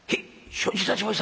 「承知いたしました。